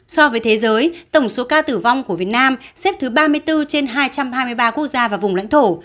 so với thế giới tổng số ca tử vong của việt nam xếp thứ ba mươi bốn trên hai trăm hai mươi ba quốc gia và vùng lãnh thổ